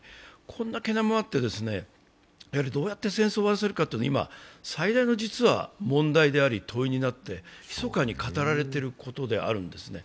こんな懸念もあって、どうやって戦争を終わらせるかは今、最大の問題であり、問いになってひそかに語られていることではあるんですね。